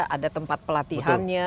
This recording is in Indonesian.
ada tempat pelatihannya